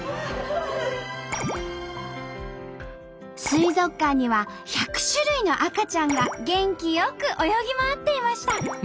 水族館には１００種類の赤ちゃんが元気よく泳ぎ回っていました。